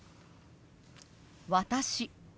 「私」。